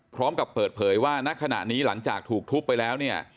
พร้อมกับเปิดเผยว่าณขณะนี้หลังจากถูกทุบไปแล้วเนี่ย